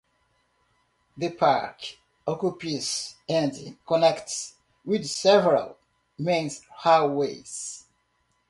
The park occupies and connects with several main highways.